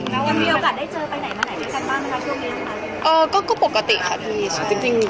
แล้วมีโอกาสได้เจอไปไหนมาไหนด้วยกันบ้างในช่วงนี้หรือเปล่า